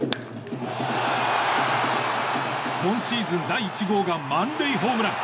今シーズン第１号が満塁ホームラン！